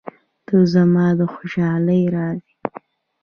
• ته زما د خوشحالۍ راز یې.